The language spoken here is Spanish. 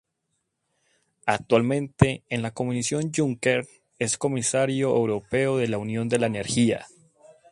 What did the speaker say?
Actualmente, en la Comisión Juncker, es Comisario europeo de Unión de la Energía.